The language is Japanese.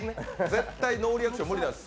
絶対ノーリアクション無理なんです。